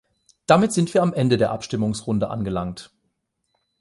Damit sind wir am Ende der Abstimmungsstunde angelangt.